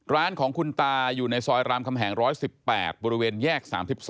ร้านของคุณตาอยู่ในซอยรามคำแหง๑๑๘บริเวณแยก๓๒